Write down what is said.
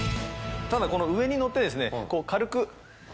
ただこの上に乗って軽く。